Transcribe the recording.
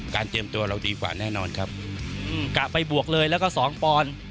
เตรียมตัวเราดีกว่าแน่นอนครับกะไปบวกเลยแล้วก็สองปอนด์